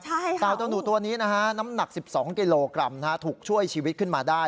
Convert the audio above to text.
เต่าเต่าหนุตัวนี้น้ำหนัก๑๒กิโลกรัมถูกช่วยชีวิตขึ้นมาได้